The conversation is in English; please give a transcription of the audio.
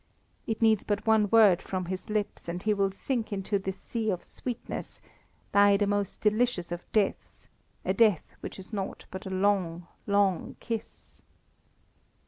It needs but one word from his lips, and he will sink into this sea of sweetness, die the most delicious of deaths, a death which is nought but a long, long kiss.